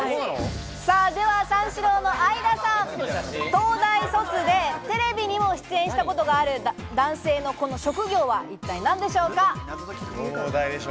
では三四郎の相田さん、東大卒でテレビにも出演したことがある男性のこの職業は一体何でしょうか？